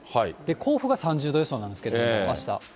甲府が３０度予想なんですけれども、あした。